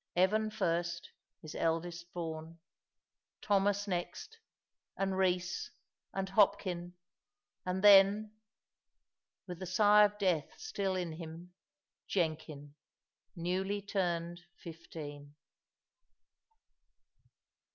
Evan first, his eldest born; Thomas next, and Rees, and Hopkin, and then (with the sigh of death still in him) Jenkin, newly turned fifteen.